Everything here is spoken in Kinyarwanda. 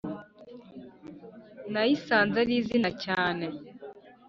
Nayisanze ari iriza cyane